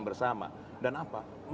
bersama dan apa